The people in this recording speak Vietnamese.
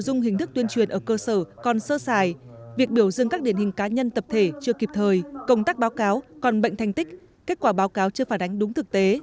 nội dung hình thức tuyên truyền ở cơ sở còn sơ xài việc biểu dương các điển hình cá nhân tập thể chưa kịp thời công tác báo cáo còn bệnh thành tích kết quả báo cáo chưa phản ánh đúng thực tế